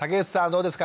どうですか？